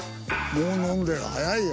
もう飲んでる早いよ。